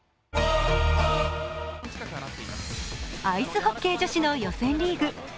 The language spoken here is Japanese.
アイスホッケー女子の予選リーグ。